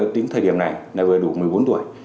tính thời điểm này là vừa đủ một mươi bốn tuổi